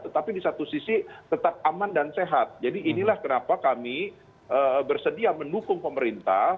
tetapi di satu sisi tetap aman dan sehat jadi inilah kenapa kami bersedia mendukung pemerintah